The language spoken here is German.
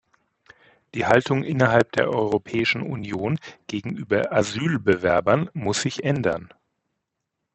Die Haltung innerhalb der Europäischen Union gegenüber Asylbewerbern muss sich ändern.